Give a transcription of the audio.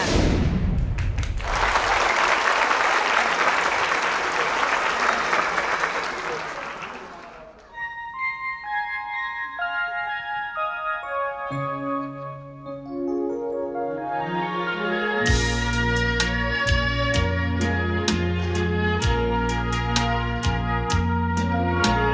เส้นห่วนหลวนชวนให้คงทำไม่ใคร